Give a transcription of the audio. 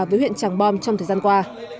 với huyện tràng bom trong thời gian qua